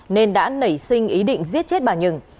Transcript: nên đã nảy sinh ý định giết chết bà nhường